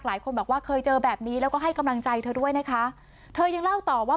หลายคนบอกว่าเคยเจอแบบนี้แล้วก็ให้กำลังใจเธอด้วยนะคะเธอยังเล่าต่อว่า